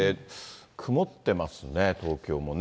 曇ってますね、東京もね。